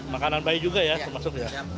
makanan bayi juga ya termasuk ya